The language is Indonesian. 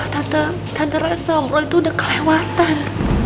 tante tante rasa omro itu udah kelewatan